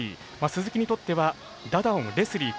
鈴木にとってはダダオン、レスリー